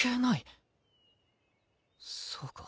そうか。